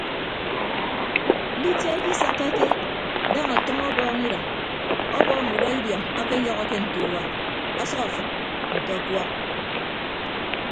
Nditia ikisakkake daña ọtʌñ ọbọọñ idʌñ ọbọọñ udọ idiọñ akeyọhọke nte urua asʌk afịd nte ọkuọk.